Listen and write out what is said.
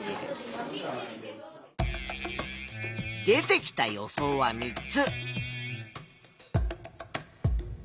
出てきた予想は３つ。